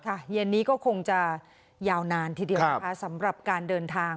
เย็นนี้ก็คงจะยาวนานทีเดียวนะคะสำหรับการเดินทาง